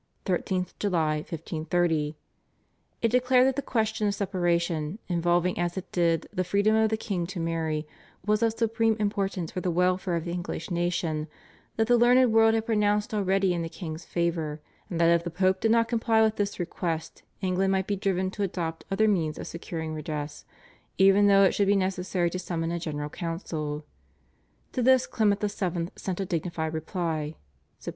(13th July, 1530). It declared that the question of separation, involving as it did the freedom of the king to marry, was of supreme importance for the welfare of the English nation, that the learned world had pronounced already in the king's favour, and that if the Pope did not comply with this request England might be driven to adopt other means of securing redress even though it should be necessary to summon a General Council. To this Clement VII. sent a dignified reply (Sept.)